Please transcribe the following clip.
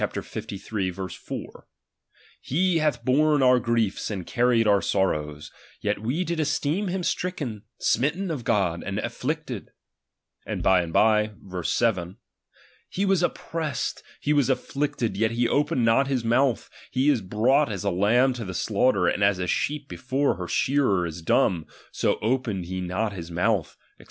4) : uij and pa He hath borne our grid's, and carried our sorrows ; yet we did esteem him stricken, smitten of God, and quieted ; and by and by (verse 7) : ^e was op jpressed, he was quieted, yet he opened not his mouth : he is brought as a lamb to the slaughter, and as a sheep before her shearer is dumb, so opened he not his mouth, &c.